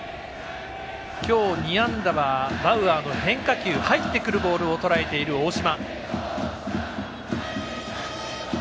今日、２安打はバウアーの変化球入ってくるボールをとらえている大島。